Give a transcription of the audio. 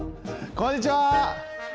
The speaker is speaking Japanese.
こんにちは。